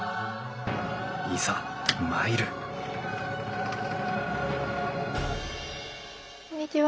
いざ参るこんにちは。